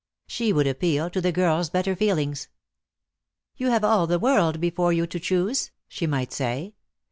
She would appeal to the girl's better feelings. "You have all the world before you to choose," she might say.